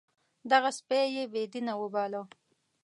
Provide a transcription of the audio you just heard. دغه سپی یې بې دینه وباله.